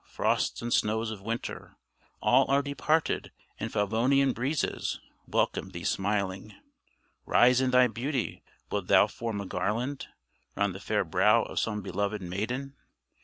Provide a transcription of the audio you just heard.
frosts and snows of winter All are departed, and Favonian breezes Welcome thee smiling. Rise in thy beauty; wilt thou form a garland Round the fair brow of some belovèd maiden?